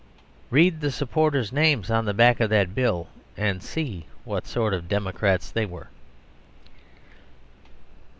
Read the supporters' names on the back of that Bill, and see what sort of democrats they were.